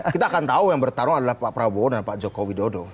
kita akan tahu yang bertarung adalah pak prabowo dan pak joko widodo